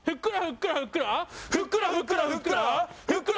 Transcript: ふっくら！